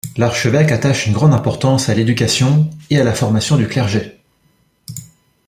L'archevêque attache une grande importance à l'éducation et à la formation du clergé.